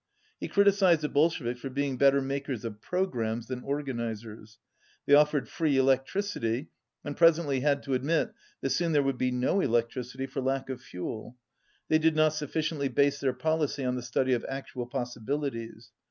He criticized the Bolsheviks for being better makers of programmes than organizers. They offered free electricity, and presently had to admit that soon there would be no electricity for lack of fuel. They did not sufficiently base their policy on the study of actual possibilities.